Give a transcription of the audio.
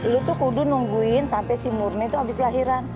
lu tuh kudu nungguin sampai si murni itu habis lahiran